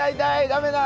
「ダメだ！